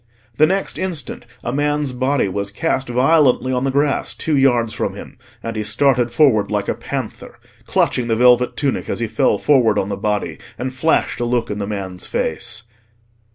The next instant a man's body was cast violently on the grass two yards from him, and he started forward like a panther, clutching the velvet tunic as he fell forward on the body and flashed a look in the man's face.